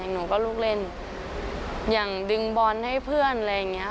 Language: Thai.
หนูก็ลูกเล่นอย่างดึงบอลให้เพื่อนอะไรอย่างนี้